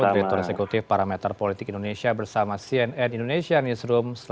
direktur eksekutif parameter politik indonesia bersama cnn indonesia newsroom